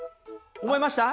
思いました？